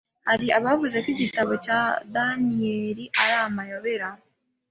Hari abavuze ko igitabo cya daneyili ari amayobera